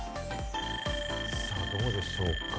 さあ、どうでしょうか？